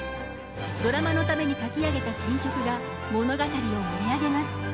ドラマのために書き上げた新曲が物語を盛り上げます。